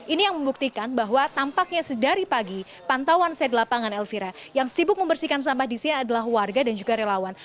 ini yang membuktikan bahwa tampaknya sedari pagi pantauan saya di lapangan elvira yang sibuk membersihkan sampah di sini adalah warga dan juga relawan